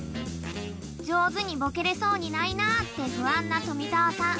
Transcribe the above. ［上手にボケれそうにないなぁって不安な富澤さん］